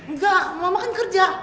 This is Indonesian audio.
nggak mama kan kerja